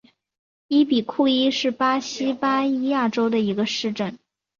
伊比库伊是巴西巴伊亚州的一个市镇。